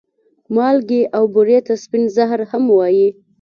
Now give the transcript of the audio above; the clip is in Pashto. مالګې او بورې ته سپين زهر هم وايې